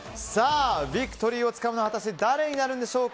ビクトリーをつかむのは誰になるんでしょうか。